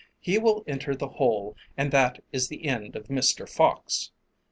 He will enter the hole and that is the end of Mr. Fox.